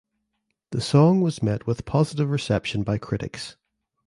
The song was met with positive reception by critics.